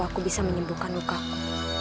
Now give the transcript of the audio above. aku bisa menyembuhkan lukaku